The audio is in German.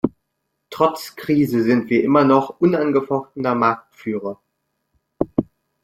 Trotz Krise sind wir immer noch unangefochtener Marktführer.